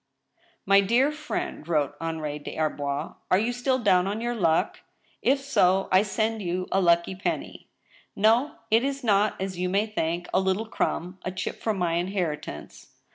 " My dear friend,'.' wrote Henri des Arbois, " are you still down on your luck ? If so, I send you a lucky penny. " No I it is not, as you may think, a Kttle crumb— a chip from my inheritance.